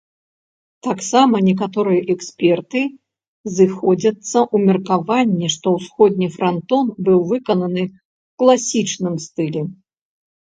Таксама некаторыя эксперты сыходзяцца ў меркаванні, што ўсходні франтон быў выкананы ў класічным стылі.